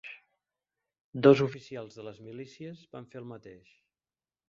Dos oficials de les milícies van fer el mateix